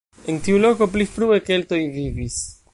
En tiu loko pli frue keltoj vivis.